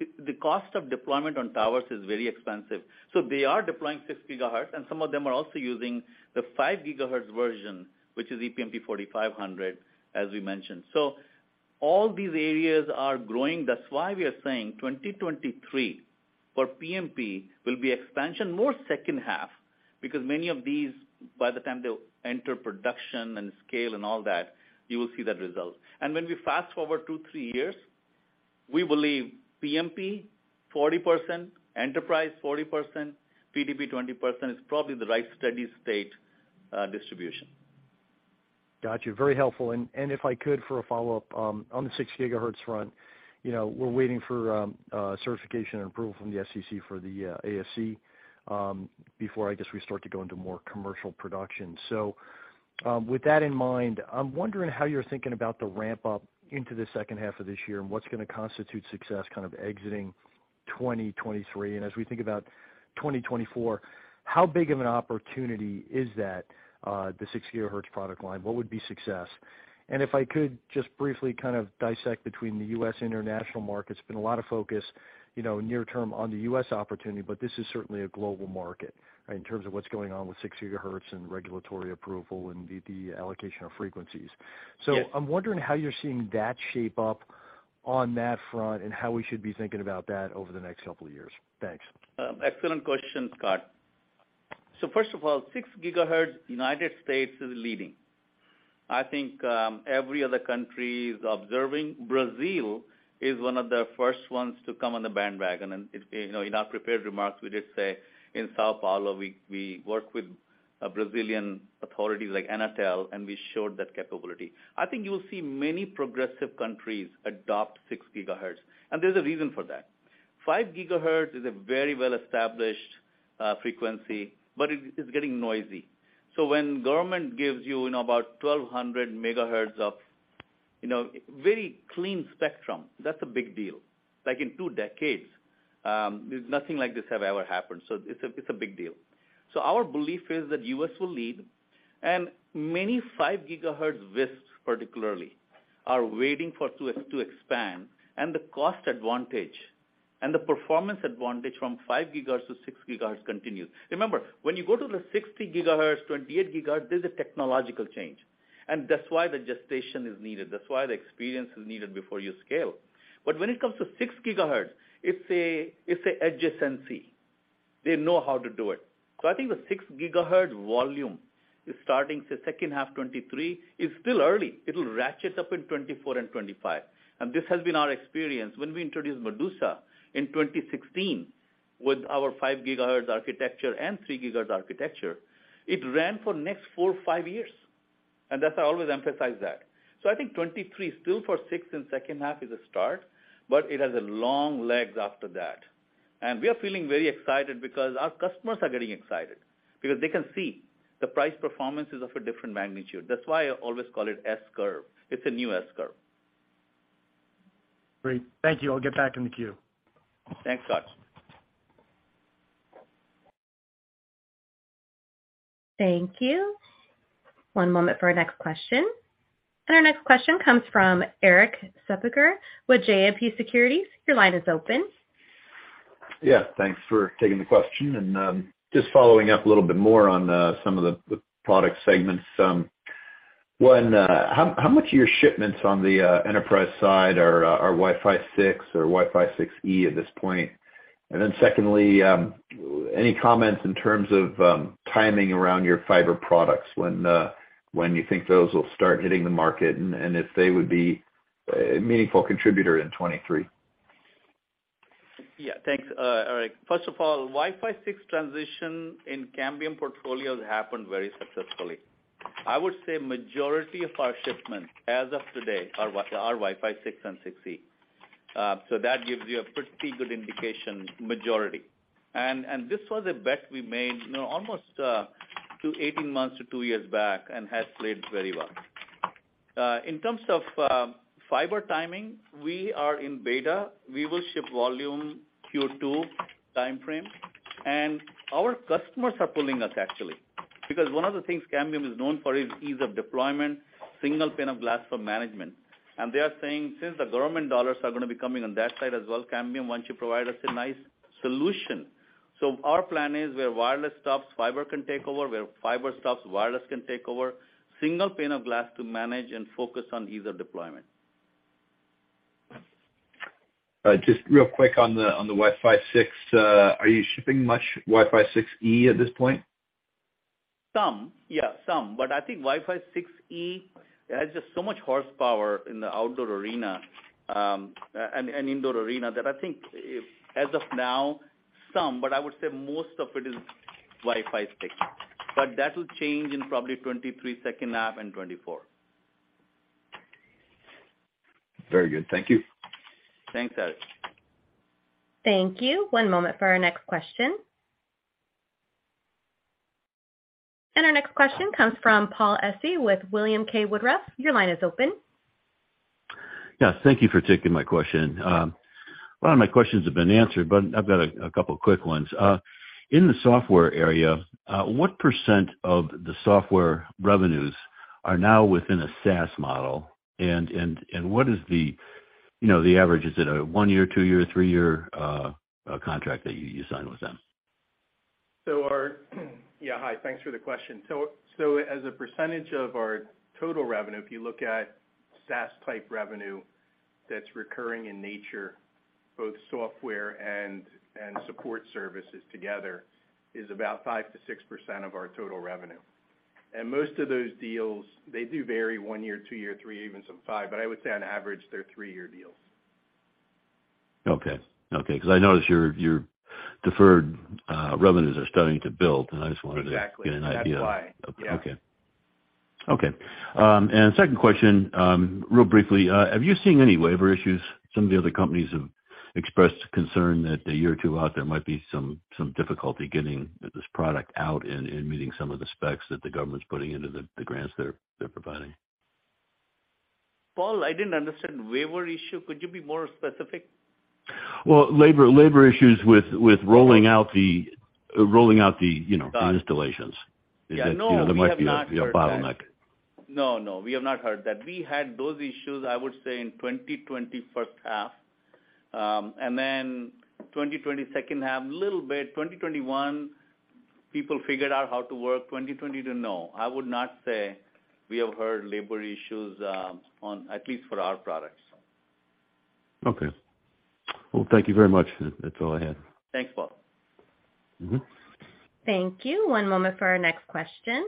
the cost of deployment on towers is very expensive, so they are deploying six gigahertz, and some of them are also using the five gigahertz version, which is ePMP 4500, as we mentioned. All these areas are growing. That's why we are saying 2023 for PMP will be expansion more second half because many of these, by the time they'll enter production and scale and all that, you will see that result. When we fast forward two, three years, we believe PMP 40%, enterprise 40%, PTP 20% is probably the right steady state distribution. Got you. Very helpful. If I could for a follow-up, on the 6 gigahertz front, you know, we're waiting for certification and approval from the FCC for the ASC, before I guess we start to go into more commercial production. With that in mind, I'm wondering how you're thinking about the ramp up into the second half of this year and what's gonna constitute success kind of exiting 2023. As we think about 2024, how big of an opportunity is that, the 6 gigahertz product line? What would be success? If I could just briefly kind of dissect between the US and international markets. Been a lot of focus, you know, near term on the U.S. opportunity, but this is certainly a global market in terms of what's going on with 6 gigahertz and regulatory approval and the allocation of frequencies. Yes. I'm wondering how you're seeing that shape up on that front and how we should be thinking about that over the next couple of years. Thanks. Excellent question, Scott. First of all, 6 gigahertz, United States is leading. I think, every other country is observing. Brazil is one of the first ones to come on the bandwagon. You know, in our prepared remarks, we did say in São Paulo, we work with Brazilian authorities like Anatel, and we showed that capability. I think you'll see many progressive countries adopt 6 gigahertz. There's a reason for that. 5 gigahertz is a very well-established frequency. It is getting noisy. When government gives you about 1,200 megahertz of, you know, very clean spectrum, that's a big deal. Like in 2 decades, nothing like this have ever happened. It's a big deal. Our belief is that U.S. will lead, and many 5 gigahertz WISPs, particularly, are waiting to expand. The cost advantage and the performance advantage from 5 gigahertz to 6 gigahertz continues. Remember, when you go to the 60 gigahertz, 28 gigahertz, there's a technological change, and that's why the gestation is needed. That's why the experience is needed before you scale. When it comes to 6 gigahertz, it's a adjacency. They know how to do it. I think the 6 gigahertz volume is starting the second half 2023. It's still early. It'll ratchet up in 2024 and 2025. This has been our experience. When we introduced cnMedusa in 2016 with our 5 gigahertz architecture and 3 gigahertz architecture, it ran for next 4, 5 years, and that's why I always emphasize that. I think 2023 still for 6 in second half is a start, but it has long legs after that. We are feeling very excited because our customers are getting excited because they can see the price performance is of a different magnitude. That's why I always call it S-curve. It's a new S-curve. Great. Thank you. I'll get back in the queue. Thanks, Scott. Thank you. One moment for our next question. Our next question comes from Erik Jacobsen with JMP Securities. Your line is open. Yeah, thanks for taking the question. Just following up a little bit more on some of the product segments. One, how much of your shipments on the enterprise side are Wi-Fi 6 or Wi-Fi 6E at this point? Secondly, any comments in terms of timing around your fiber products, when you think those will start hitting the market, and if they would be a meaningful contributor in 2023? Yeah. Thanks, Erik. First of all, Wi-Fi 6 transition in Cambium portfolios happened very successfully. I would say majority of our shipments as of today are Wi-Fi 6 and 6E, so that gives you a pretty good indication, majority. And this was a bet we made, you know, almost 18 months to 2 years back and has played very well. In terms of fiber timing, we are in beta. We will ship volume Q2 timeframe, and our customers are pulling us actually, because one of the things Cambium is known for is ease of deployment, single pane of glass for management. And they are saying since the government dollars are gonna be coming on that side as well, Cambium, why don't you provide us a nice solution. Our plan is where wireless stops, fiber can take over, where fiber stops, wireless can take over. Single pane of glass to manage and focus on ease of deployment. Just real quick on the, on the Wi-Fi 6, are you shipping much Wi-Fi 6E at this point? Some. Yeah, some. I think Wi-Fi 6E has just so much horsepower in the outdoor arena, and indoor arena that I think as of now, some, but I would say most of it is Wi-Fi 6. That will change in probably 2023 second half and 2024. Very good. Thank you. Thanks, Erik. Thank you. One moment for our next question. Our next question comes from Paul Silverstein with Cowen and Company. Your line is open. Yes, thank you for taking my question. A lot of my questions have been answered, but I've got a couple quick ones. In the software area, what % of the software revenues are now within a SaaS model? What is the, you know, the average, is it a one-year, two-year, three-year contract that you sign with them? Yeah, hi, thanks for the question. As a percentage of our total revenue, if you look at SaaS type revenue that's recurring in nature, both software and support services together is about 5% to 6% of our total revenue. Most of those deals, they do vary 1 year, 2 year, 3, even some 5, but I would say on average, they're 3-year deals. Okay. Okay, because I noticed your deferred revenues are starting to build. Exactly. get an idea of That's why. Okay. Okay. Second question, real briefly, have you seen any waiver issues? Some of the other companies have expressed concern that a year or two out there might be some difficulty getting this product out and meeting some of the specs that the government's putting into the grants they're providing. Paul, I didn't understand waiver issue. Could you be more specific? Well, labor issues with rolling out the, you know, the installations. Yeah, no, we have not heard that. Is it, you know, there might be a bottleneck. No, no, we have not heard that. We had those issues, I would say, in 2020 first half, and then 2020 second half, little bit. 2021, people figured out how to work. 2022, no. I would not say we have heard labor issues, on at least for our products. Well, thank you very much. That's all I had. Thanks, Paul. Mm-hmm. Thank you. One moment for our next question.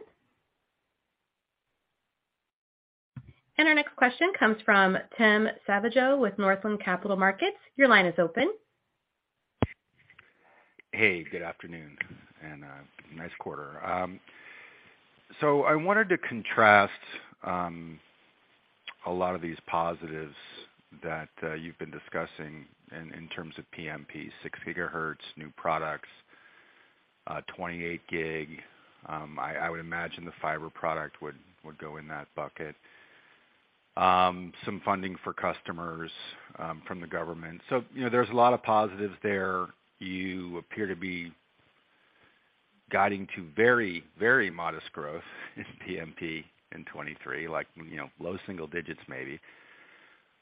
Our next question comes from Tim Savageaux with Northland Capital Markets. Your line is open. Hey, good afternoon, and nice quarter. I wanted to contrast a lot of these positives that you've been discussing in terms of PMP, 6 gigahertz, new products, 28 gig. I would imagine the fiber product would go in that bucket. Some funding for customers from the government. You know, there's a lot of positives there. You appear to be guiding to very, very modest growth in PMP in 23, like, you know, low single digits maybe.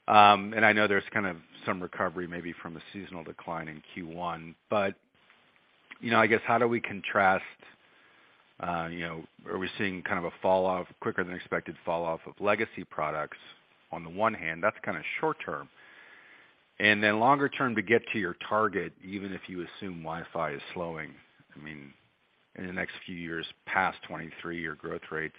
I know there's kind of some recovery maybe from a seasonal decline in Q1. You know, I guess how do we contrast, you know, are we seeing kind of a falloff, quicker than expected falloff of legacy products on the one hand? That's kinda short term. Longer term to get to your target, even if you assume Wi-Fi is slowing, I mean, in the next few years past 23, your growth rates,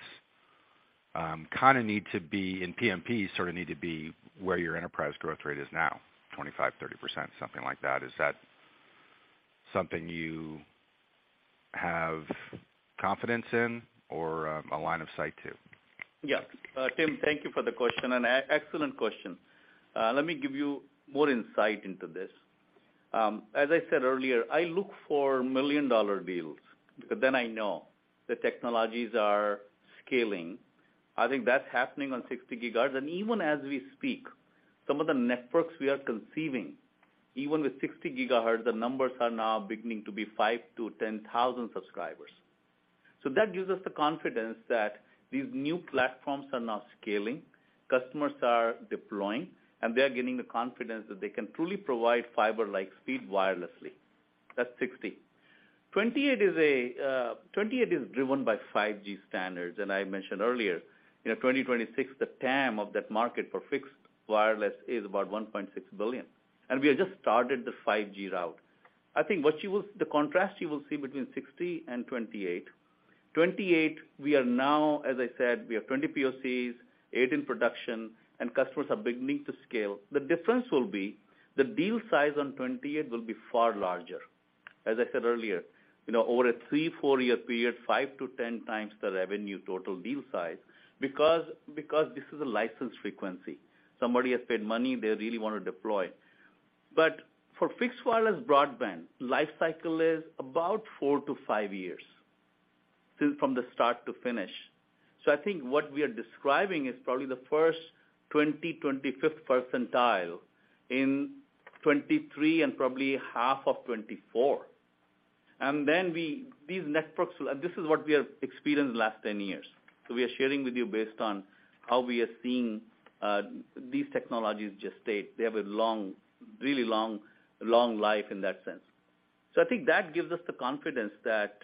kinda need to be, in PMP, sorta need to be where your enterprise growth rate is now, 25%, 30%, something like that. Is that something you have confidence in or, a line of sight to? Tim, thank you for the question, and excellent question. Let me give you more insight into this. As I said earlier, I look for million-dollar deals, because then I know the technologies are scaling. I think that's happening on 60 gigahertz. Even as we speak, some of the networks we are conceiving, even with 60 gigahertz, the numbers are now beginning to be 5,000-10,000 subscribers. That gives us the confidence that these new platforms are now scaling, customers are deploying, and they're gaining the confidence that they can truly provide fiber-like speed wirelessly. That's 60. 28 is driven by 5G standards. I mentioned earlier, you know, 2026, the TAM of that market for fixed wireless is about $1.6 billion, and we have just started the 5G route. I think what you will see between 60 and 28, we are now, as I said, we have 20 POCs, 8 in production, and customers are beginning to scale. The difference will be the deal size on 28 will be far larger. As I said earlier, you know, over a 3, 4-year period, 5 to 10 times the revenue total deal size because this is a licensed frequency. Somebody has paid money, they really wanna deploy. For fixed wireless broadband, life cycle is about 4 to 5 years till from the start to finish. I think what we are describing is probably the first 20th, 25th percentile in 2023 and probably half of 2024. Then we, these networks. This is what we have experienced the last 10 years. We are sharing with you based on how we are seeing these technologies gestate. They have a long, really long, long life in that sense. I think that gives us the confidence that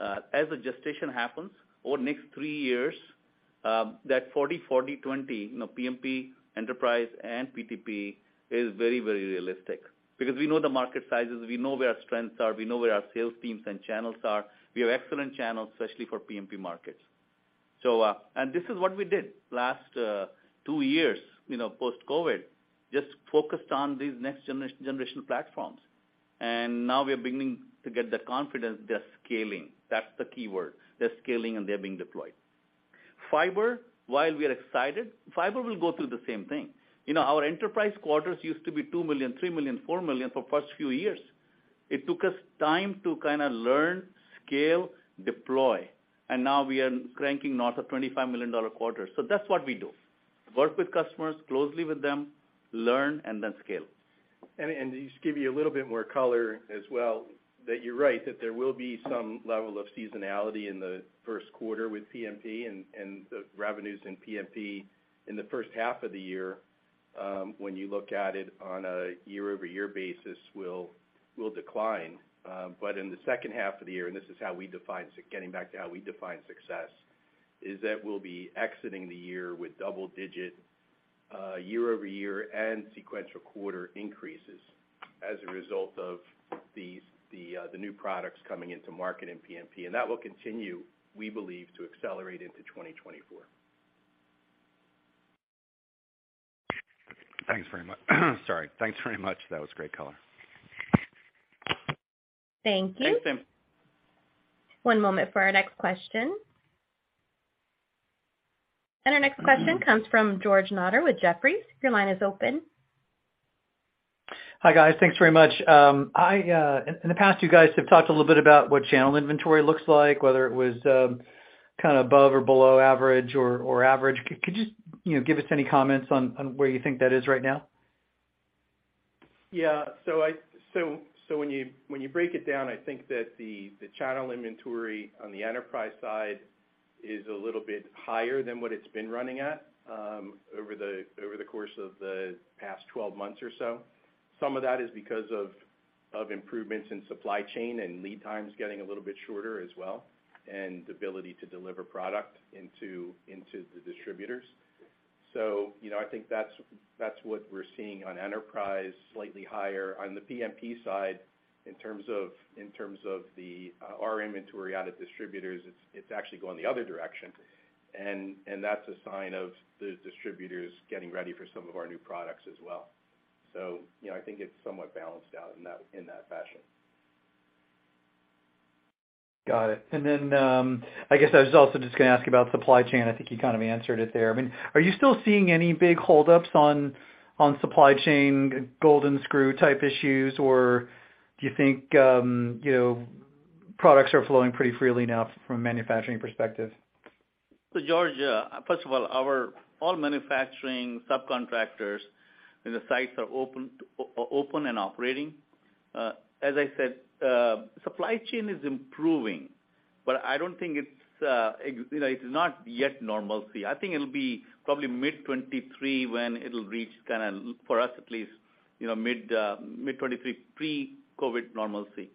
as the gestation happens over the next 3 years, that 40, 20, you know, PMP, enterprise, and PTP is very, very realistic because we know the market sizes, we know where our strengths are, we know where our sales teams and channels are. We have excellent channels, especially for PMP markets. This is what we did last 2 years, you know, post-COVID, just focused on these next generational platforms. Now we are beginning to get the confidence they're scaling. That's the key word. They're scaling, and they're being deployed. Fiber, while we are excited, fiber will go through the same thing. You know, our enterprise quarters used to be $2 million, $3 million, $4 million for first few years. It took us time to kinda learn, scale, deploy, and now we are cranking north of $25 million quarters. That's what we do, work with customers, closely with them, learn, and then scale. Just to give you a little bit more color as well, that you're right, that there will be some level of seasonality in the first quarter with PMP and the revenues in PMP in the first half of the year, when you look at it on a year-over-year basis will decline. In the second half of the year, and this is how we define getting back to how we define success, is that we'll be exiting the year with double digit year-over-year and sequential quarter increases as a result of these new products coming into market in PMP. That will continue, we believe, to accelerate into 2024. Sorry. Thanks very much. That was great color. Thank you. Thanks, Tim. One moment for our next question. Our next question comes from George Notter with Jefferies. Your line is open. Hi, guys. Thanks very much. In the past, you guys have talked a little bit about what channel inventory looks like, whether it was, kinda above or below average or average. Could you know, give us any comments on where you think that is right now? Yeah. When you, when you break it down, I think that the channel inventory on the enterprise side is a little bit higher than what it's been running at, over the course of the past 12 months or so. Some of that is because of Of improvements in supply chain and lead times getting a little bit shorter as well, and the ability to deliver product into the distributors. You know, I think that's what we're seeing on enterprise, slightly higher. On the PMP side, in terms of the inventory out at distributors, it's actually going the other direction, and that's a sign of the distributors getting ready for some of our new products as well. You know, I think it's somewhat balanced out in that fashion. Got it. I guess I was also just gonna ask about supply chain. I think you kind of answered it there. I mean, are you still seeing any big hold ups on supply chain, golden screw type issues? Or do you think, you know, products are flowing pretty freely now from a manufacturing perspective? George, first of all, our all manufacturing subcontractors in the sites are open and operating. As I said, supply chain is improving, but I don't think it's, you know, it is not yet normalcy. I think it'll be probably mid 2023 when it'll reach kinda, for us at least, you know, mid 2023 pre-COVID normalcy.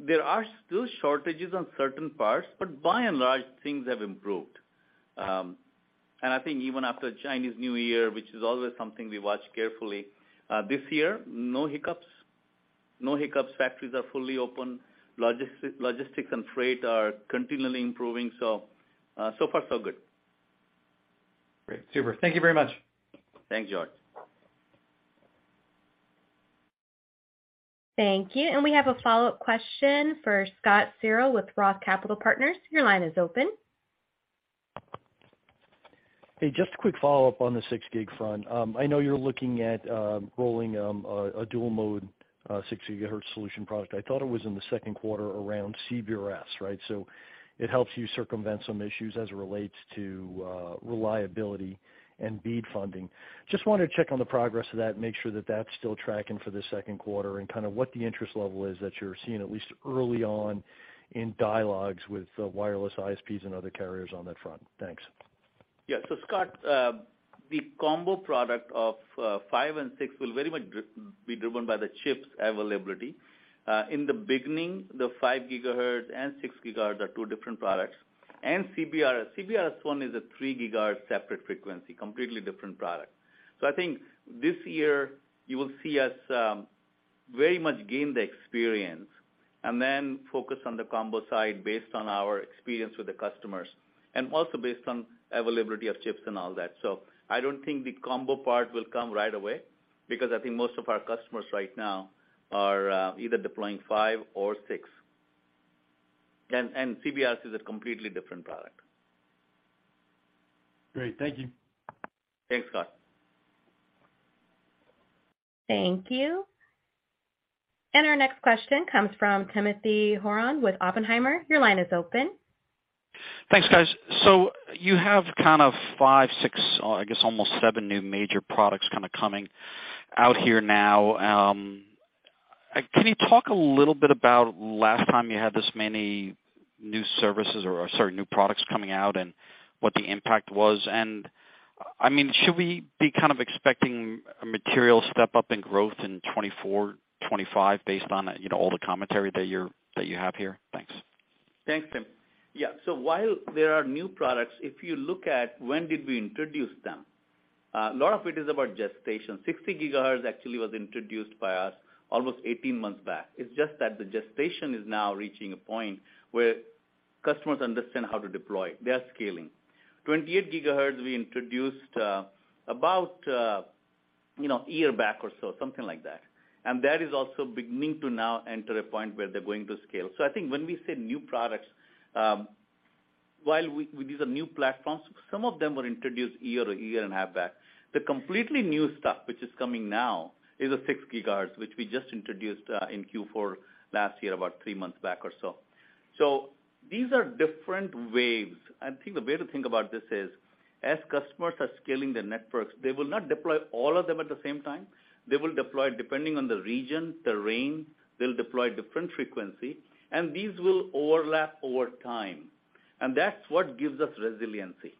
There are still shortages on certain parts, but by and large, things have improved. And I think even after Chinese New Year, which is always something we watch carefully, this year, no hiccups. Factories are fully open. Logistics and freight are continually improving. So far so good. Great. Super. Thank you very much. Thanks, George. Thank you. We have a follow-up question for Scott Searle with ROTH Capital Partners. Your line is open. Hey, just a quick follow-up on the six gig front. I know you're looking at rolling a dual mode six gigahertz solution product. I thought it was in the second quarter around CBRS, right? It helps you circumvent some issues as it relates to reliability and BEAD funding. Just wanted to check on the progress of that and make sure that that's still tracking for the second quarter and kind of what the interest level is that you're seeing at least early on in dialogues with the wireless ISPs and other carriers on that front. Thanks. Scott, the combo product of 5 and 6 will very much be driven by the chips availability. In the beginning, the 5 gigahertz and 6 gigahertz are two different products. CBRS 1 is a 3 gigahertz separate frequency, completely different product. I think this year, you will see us very much gain the experience and then focus on the combo side based on our experience with the customers, and also based on availability of chips and all that. I don't think the combo part will come right away because I think most of our customers right now are either deploying 5 or 6. CBRS is a completely different product. Great. Thank you. Thanks, Scott. Thank you. Our next question comes from Timothy Horan with Oppenheimer. Your line is open. Thanks, guys. You have kind of five, six, or I guess almost seven new major products kinda coming out here now. Can you talk a little bit about last time you had this many new services or sorry, new products coming out and what the impact was? I mean, should we be kind of expecting a material step-up in growth in 2024, 2025 based on, you know, all the commentary that you're, that you have here? Thanks. Thanks, Tim. Yeah. While there are new products, if you look at when did we introduce them, a lot of it is about gestation. 60 gigahertz actually was introduced by us almost 18 months back. It's just that the gestation is now reaching a point where customers understand how to deploy. They are scaling. 28 gigahertz we introduced, about, you know, 1 year back or so, something like that. That is also beginning to now enter a point where they're going to scale. I think when we say new products, while we these are new platforms, some of them were introduced 1 year or 1 year and a half back. The completely new stuff, which is coming now is the 6 gigahertz, which we just introduced in Q4 last year, about 3 months back or so. These are different waves. I think the way to think about this is as customers are scaling their networks, they will not deploy all of them at the same time. They will deploy depending on the region, terrain, they'll deploy different frequency, and these will overlap over time. That's what gives us resiliency.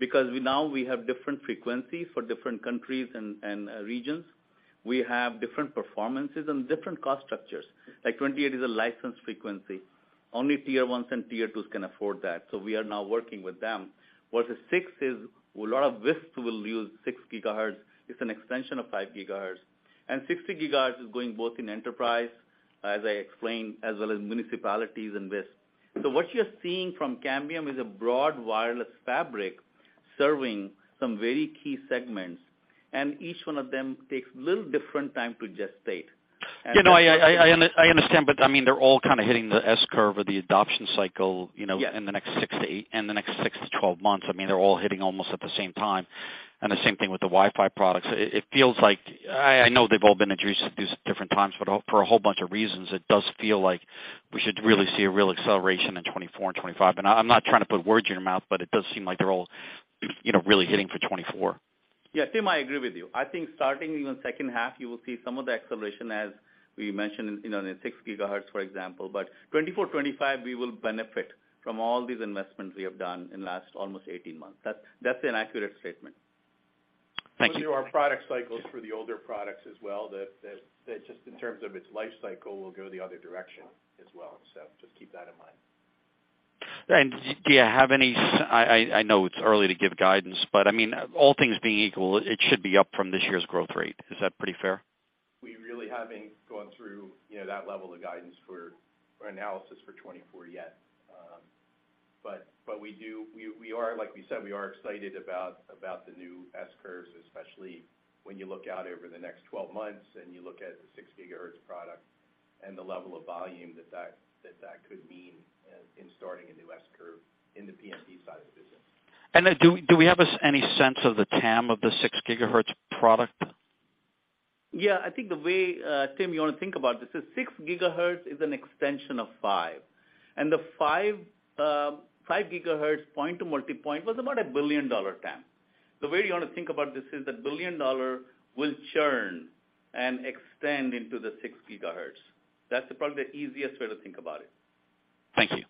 We now we have different frequencies for different countries and regions. We have different performances and different cost structures. Like 28 is a licensed frequency. Only tier ones and tier twos can afford that, so we are now working with them. Whereas the 6 is a lot of WISP will use 6 gigahertz. It's an extension of 5 gigahertz. 60 gigahertz is going both in enterprise, as I explained, as well as municipalities and WISP. What you're seeing from Cambium is a broad wireless fabric serving some very key segments, and each one of them takes a little different time to gestate. You know, I understand, but I mean, they're all kinda hitting the S-curve or the adoption cycle, you know. Yeah. in the next 6 to 12 months. I mean, they're all hitting almost at the same time, and the same thing with the Wi-Fi products. It feels like, I know they've all been introduced at different times, but for a whole bunch of reasons, it does feel like we should really see a real acceleration in 2024 and 2025. I'm not trying to put words in your mouth, but it does seem like they're all, you know, really hitting for 2024. Yeah, Tim, I agree with you. I think starting even second half, you will see some of the acceleration as we mentioned, you know, the 6 gigahertz, for example. 2024, 2025, we will benefit from all these investments we have done in the last almost 18 months. That's an accurate statement. Thank you. There are product cycles for the older products as well that just in terms of its life cycle, will go the other direction as well. Just keep that in mind. Do you have any I know it's early to give guidance, but, I mean, all things being equal, it should be up from this year's growth rate. Is that pretty fair? We really haven't gone through, you know, that level of guidance for or analysis for 2024 yet. But we are like we said, we are excited about the new S-curves, especially when you look out over the next 12 months and you look at the 6 gigahertz product and the level of volume that could mean in starting a new S-curve in the PMP side of the business. Do we have any sense of the TAM of the six gigahertz product? Yeah, I think the way, Tim, you wanna think about this is 6 gigahertz is an extension of 5. The 5 gigahertz point-to-multipoint was about a $1 billion TAM. The way you wanna think about this is the $1 billion will churn and extend into the 6 gigahertz. That's probably the easiest way to think about it. Thank you.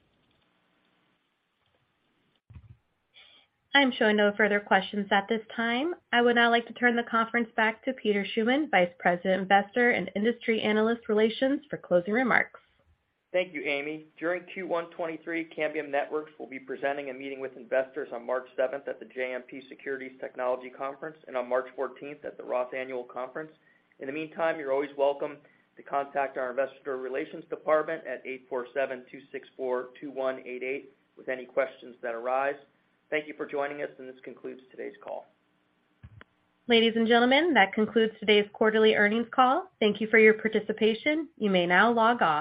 I'm showing no further questions at this time. I would now like to turn the conference back to Peter Schliefer, Vice President, Investor and Industry Analyst Relations, for closing remarks. Thank you, Amy. During Q1 2023, Cambium Networks will be presenting a meeting with investors on March 7th at the JMP Securities Technology Conference and on March 14th at the Roth Annual Conference. In the meantime, you're always welcome to contact our investor relations department at 847-264-2188 with any questions that arise. Thank you for joining us, and this concludes today's call. Ladies and gentlemen, that concludes today's quarterly earnings call. Thank you for your participation. You may now log off.